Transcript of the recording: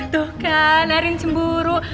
tuh kan arin cemburu